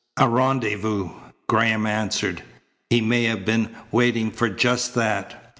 "A rendezvous!" Graham answered. "He may have been waiting for just that.